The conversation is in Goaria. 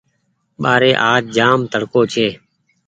ٻآري آج جآم تڙڪو ڇي۔